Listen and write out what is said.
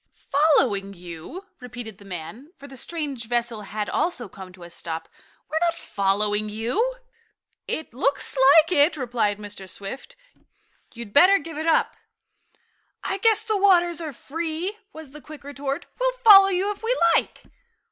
"Following you?" repeated the man, for the strange vessel had also come to a stop. "We're not following you." "It looks like it," replied Mr. Swift. "You'd better give it up." "I guess the waters are free," was the quick retort. "We'll follow you if we like."